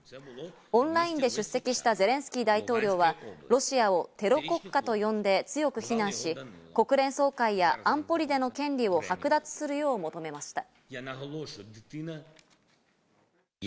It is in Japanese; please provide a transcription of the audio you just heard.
オンラインで出席したゼレンスキー大統領はロシアをテロ国家と呼んで強く非難し、国連総会や安保理での権利を剥奪するよう求めました。